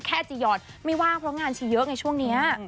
อาจียอนไม่ว่างเพราะงานชีเยอะไงช่วงนี้